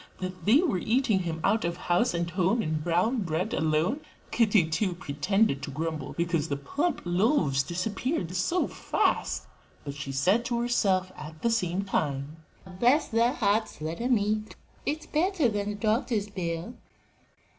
that they were eating him out of house and home in brown bread alone? Kitty, too, pretended to grumble because the plump loaves disappeared so fast, but she said to herself at the same time, "Bless their hearts! let 'em eat: it's better than a doctor's bill."